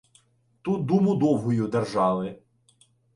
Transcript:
Тут думу довгую держали.